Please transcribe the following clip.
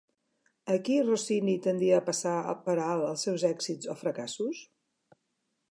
A qui Rossini tendia a passar per alt els seus èxits o fracassos?